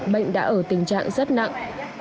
bệnh đã ở tình trạng rất nặng